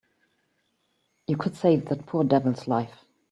You could save that poor devil's life.